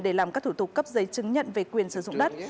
để làm các thủ tục cấp giấy chứng nhận về quyền sử dụng đất